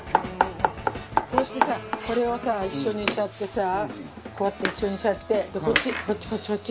こうしてさこれをさ一緒にしちゃってさこうやって一緒にしちゃってでこっちこっちこっちこっち。